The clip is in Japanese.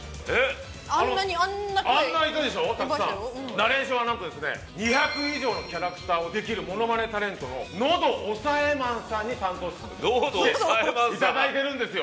ナレーションはなんとですね２００以上のキャラクターをできるモノマネタレントの喉押さえマンさんに担当して頂いてるんですよ。